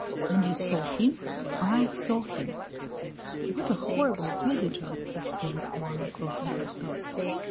"And you saw him?" "I saw him." "What a horrible visitor!" exclaimed Juana, crossing herself.